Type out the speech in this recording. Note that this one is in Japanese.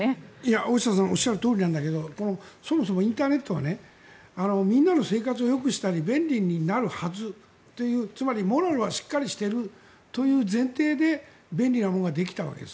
大下さんおっしゃるとおりなんだけどそもそもインターネットはみんなの生活をよくしたり便利になるはずというつまり、モラルはしっかりしているという前提で便利なものができたわけです。